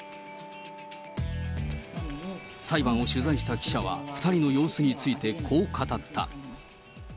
裁判を取材した記者は、２人の様子について、こう語った。